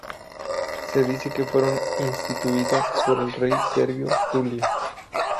Se dice que fueron instituidas por el rey Servio Tulio.